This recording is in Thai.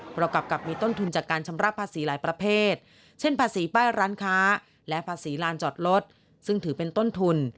ประกอบกับมีต้นทุนจากการชำระภาษีหลายประเภทเช่นภาษีป้ายร้านค้าและภาษีลานจอดรถซึ่งถือเป็นต้นทุน